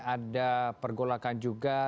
ada pergolakan juga